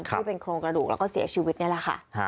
ที่เป็นโครงกระดูกแล้วก็เสียชีวิตนี่แหละค่ะ